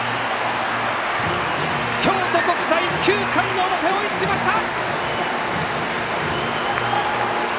京都国際、９回の表追いつきました。